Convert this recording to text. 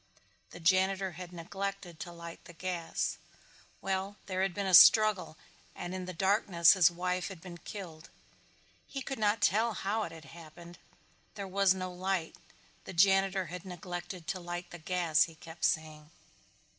The janitor had neglected to light the gas. Well there had been a struggle and in the darkness his wife had been killed. He could not tell how it had happened. "There was no light. The janitor had neglected to light the gas," he kept saying.